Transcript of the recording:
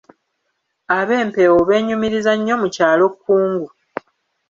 Ab'Empeewo beenyumiriza nnyo mu kyalo Kkungu.